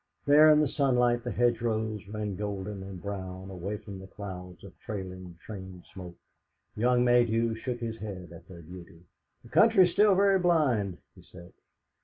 There in the sunlight the hedgerows ran golden and brown away from the clouds of trailing train smoke. Young Maydew shook his head at their beauty. "The country's still very blind," he said.